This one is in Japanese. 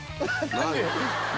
何？